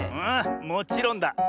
ああもちろんだ！